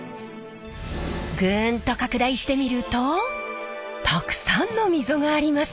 グンと拡大してみるとたくさんの溝があります。